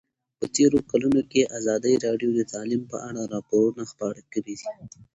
په تېرو کلونو کې ازادي راډیو د تعلیم په اړه راپورونه خپاره کړي دي.